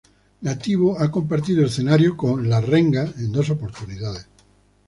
Nativo ha compartido escenario con La Renga en dos oportunidades.